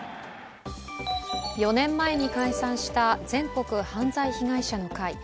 ４年前に解散した全国犯罪被害者の会。